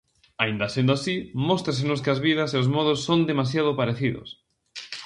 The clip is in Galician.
Aínda sendo así, móstrasenos que as vidas e os modos son demasiado parecidos.